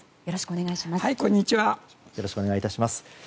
よろしくお願いします。